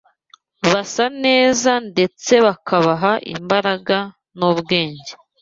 basa neza ndetse bikabaha imbaraga n’ubwenge.